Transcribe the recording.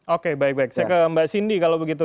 oke baik baik saya ke mbak cindy kalau begitu